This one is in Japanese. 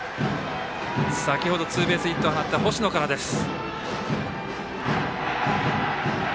先ほどツーベースヒットを放った星野からです。